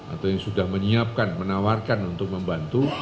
atau yang sudah menyiapkan menawarkan untuk membantu